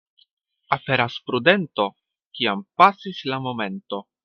Aperas prudento, kiam pasis la momento.